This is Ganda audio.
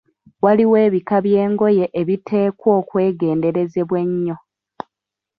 Waliwo ebika by'engoye ebiteekwa okwegenderezebwa ennyo.